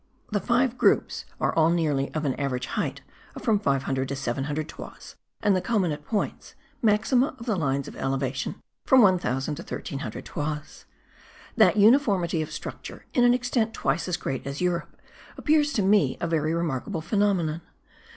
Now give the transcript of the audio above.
The five groups are all nearly of an average height of from 500 to 700 toises; and the culminant points (maxima of the lines of elevation) from 1000 to 1300 toises. That uniformity of structure, in an extent twice as great as Europe, appears to me a very remarkable phenomenon.